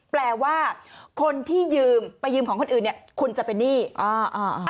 แปลว่าคนที่ยืมไปยืมของคนอื่นเนี้ยคุณจะเป็นหนี้อ่าอ่า